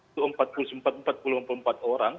itu empat puluh empat empat puluh empat orang